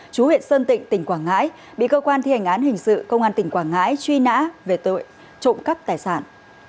chú huyện sơn tịnh tỉnh quảng ngãi bị cơ quan thi hành án hình sự công an tỉnh quảng ngãi truy nã về tội trộm cắp tài sản